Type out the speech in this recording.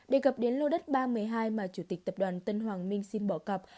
đề cập đến lâu đất ba mươi hai mà chủ tịch tập đoàn tân hoàng minh xin bỏ cọc